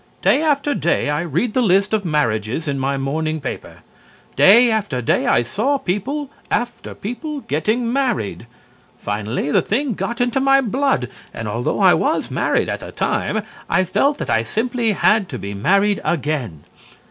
Day after day I read the list of marriages in my morning paper. Day after day I saw people after people getting married. Finally the thing got into my blood, and although I was married at the time, I felt that I simply had to be married again.